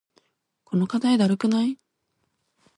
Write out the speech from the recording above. この課題だるくない？